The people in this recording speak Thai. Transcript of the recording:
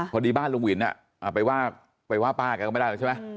พอดีบ้านลุงหินไปว่าป้าแกก็ไม่ได้หรอกใช่ไหม